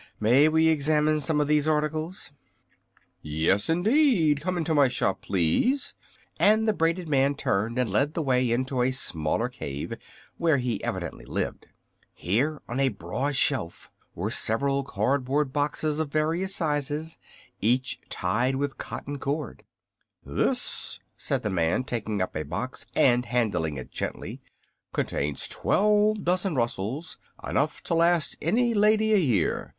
"May we examine some of these articles?" [Illustration: THE CLOUD FAIRIES.] [Illustration: THE BRAIDED MAN.] "Yes, indeed; come into my shop, please," and the braided man turned and led the way into a smaller cave, where he evidently lived. Here, on a broad shelf, were several card board boxes of various sizes, each tied with cotton cord. "This," said the man, taking up a box and handling it gently, "contains twelve dozen rustles enough to last any lady a year.